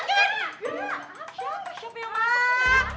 siapa siapa yang masuk